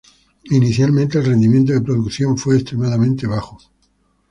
Inicialmente el rendimiento de producción fue extremadamente bajo.